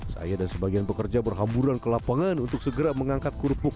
saya dan sebagian pekerja berhamburan ke lapangan untuk segera mengangkat kerupuk